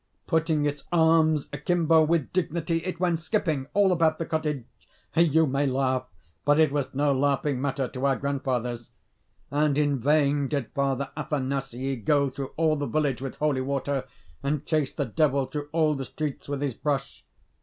Putting its arms akimbo, with dignity, it went skipping all about the cottage you may laugh, but it was no laughing matter to our grandfathers. And in vain did Father Athanasii go through all the village with holy water, and chase the Devil through all the streets with his brush.